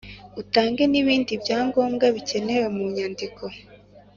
Utange n’ibindi bya ngombwa bikenewe mu nyandiko